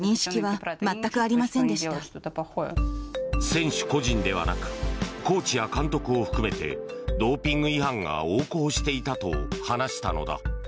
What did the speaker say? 選手個人ではなくコーチや監督を含めてドーピング違反が横行していたと話したのだ。